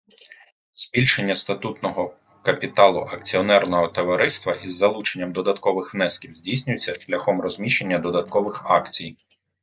Збільшення статутного капіталу акціонерного товариства із залученням додаткових внесків здійснюється шляхом розміщення додаткових акцій.